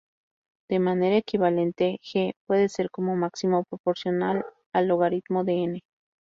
De manera equivalente, "g" puede ser como máximo proporcional al logaritmo de "n".